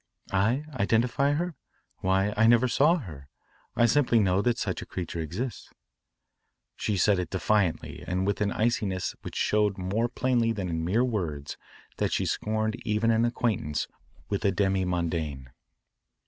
"I, identify her? Why, I never saw her. I simply know that such a creature exists. She said it defiantly and with an iciness which showed more plainly than in mere words that she scorned even an acquaintance with a demi mondaine.